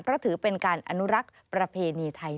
เพราะถือเป็นการอนุรักษ์ประเพณีไทย